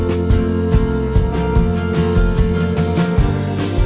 ก็เรี่ยงคำเจอเพื่อนใหม่